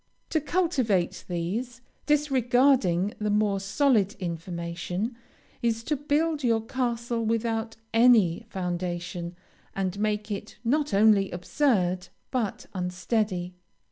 To cultivate these, disregarding the more solid information, is to build your castle without any foundation, and make it, not only absurd, but unsteady.